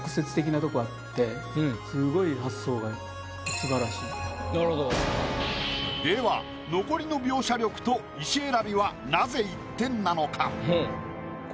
すごいでは残りの描写力と石選びはなぜ１点なのか？